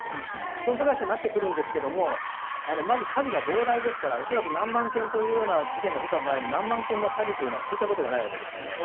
損保会社になってくるんですがまず数が膨大ですから恐らく何万件というような事件が出た場合何万件という詐欺は聞いたことがないわけですよね。